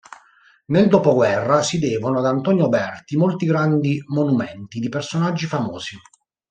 Nel dopoguerra si devono ad Antonio Berti molti grandi monumenti di personaggi famosi.